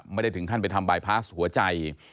ไม่ได้ถึงขั้นไปทำบายพาสหัวใจ